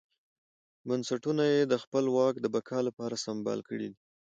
بنسټونه یې د خپل واک د بقا لپاره سمبال کړي دي.